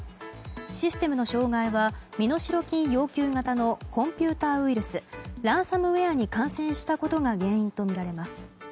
システムの障害は身代金要求型のコンピューターウイルスランサムウェアに感染したことが原因とみられます。